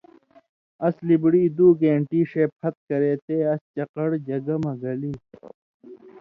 اَس لِبڑی دُو گېن٘ٹی ݜے پھت کرے تے اس چقڑ جگہ مہ گلی۔